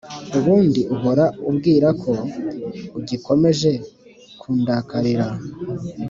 ubundi uhora ubwirako ugikomeje kundakarira